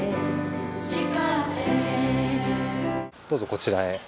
どうぞこちらへ。